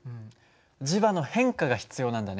磁場の変化が必要なんだね。